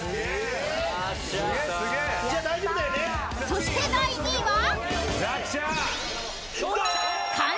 ［そして第２位は？］